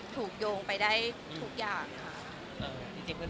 ทุกวันนี้ไม่ทำอะไรเลยค่ะเงินจีนเอง